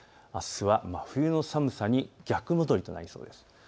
あすは真冬の寒さに逆戻りとなりそうです。